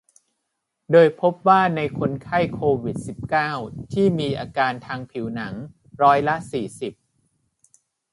โดยพบว่าในคนไข้โควิด สิบเก้า ที่มีอาการทางผิวหนังร้อยละ สี่สิบ